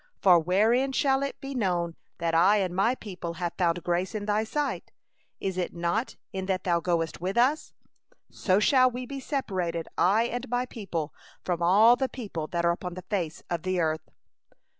For wherein shall it be known that I and my people have found grace in thy sight? Is it not in that thou goest with us? So shall we be separated, I and my people, from all the people that are upon the face of the earth.